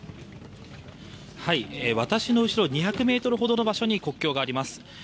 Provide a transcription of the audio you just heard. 私の後ろ２００ｍほどの場所に国境があります。